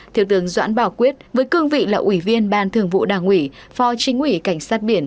thiếu tướng doãn bảo quyết với cương vị là ủy viên ban thường vụ đảng ủy phó chính ủy cảnh sát biển